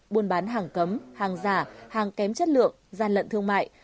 buôn bán hàng cấm hàng giả hàng kém chất lượng gian lận thương mại